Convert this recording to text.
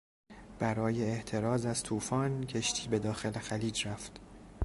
برای احتراز از توفان، کشتی به داخل خلیج رفت.